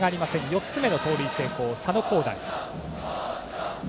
４つ目の盗塁成功、佐野皓大。